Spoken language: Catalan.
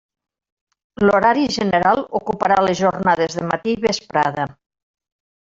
L'horari general ocuparà les jornades de matí i vesprada.